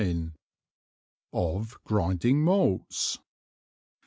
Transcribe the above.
Of Grinding Malts.